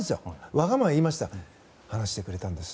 我がまま言いましたら話してくれたんです。